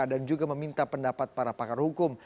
dan juga meminta pendapat para pakar hukum